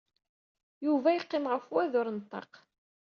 Yuba yeqqim ɣef wadur n ṭṭaq.